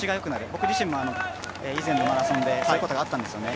僕自身も以前のマラソンでそういうことがあったんですね